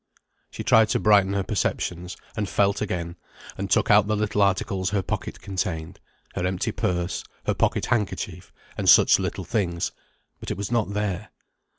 She tried to brighten her perceptions, and felt again, and took out the little articles her pocket contained, her empty purse, her pocket handkerchief, and such little things, but it was not there.